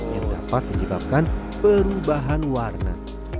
yang dapat menyebabkan perubahan warna